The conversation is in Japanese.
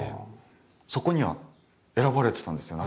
そこには選ばれてたんですよ